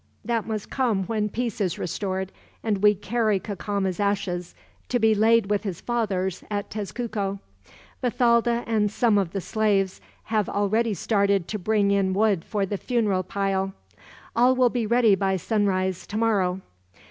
That must come when peace is restored, and we carry Cacama's ashes to be laid with his father's, at Tezcuco. Bathalda and some of the slaves have already started to bring in wood for the funeral pile. All will be ready by sunrise, tomorrow."